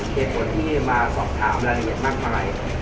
เกษตรคนที่มาสอบถามรายละเอียดมากมาย